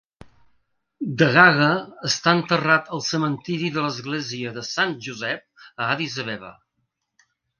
Degaga està enterrat al cementiri de l'església de Sant Josep a Addis Abeba.